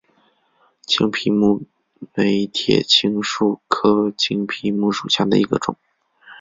青皮木为铁青树科青皮木属下的一个种。